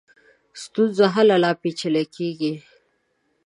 ستونزه هله لا پېچلې کېږي.